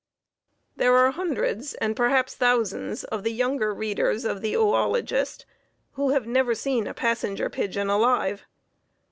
There are hundreds and perhaps thousands of the younger readers of The Oölogist who have never seen a Passenger Pigeon alive.